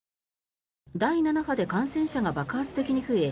第７波で感染者が爆発的に増え